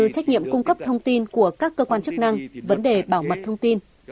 cung cấp thông tin của các cơ quan chức năng vấn đề bảo mật thông tin